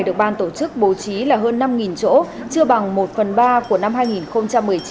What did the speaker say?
được ban tổ chức bố trí là hơn năm chỗ chưa bằng một phần ba của năm hai nghìn một mươi chín